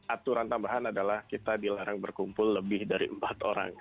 aturan tambahan adalah kita dilarang berkumpul lebih dari empat orang